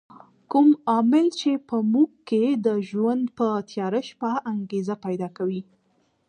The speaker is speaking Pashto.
کوم عامل چې په موږ کې د ژوند په تیاره شپه انګېزه پیدا کوي.